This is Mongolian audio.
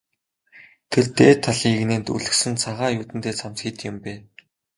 Тэр дээд талын эгнээнд өлгөсөн цагаан юүдэнтэй цамц хэд юм бэ?